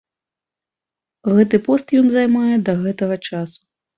Гэты пост ён займае да гэтага часу.